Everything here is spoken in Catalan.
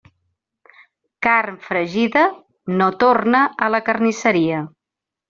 Carn fregida no torna a la carnisseria.